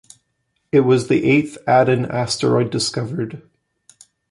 It was the eighth Aten asteroid discovered.